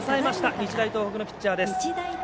日大東北のピッチャーです。